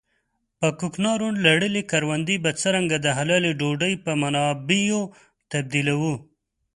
په کوکنارو لړلې کروندې به څرنګه د حلالې ډوډۍ په منابعو تبديلوو.